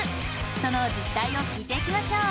その実態を聞いていきましょう！